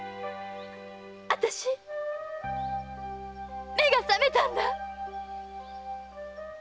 あたし目が覚めたんだ。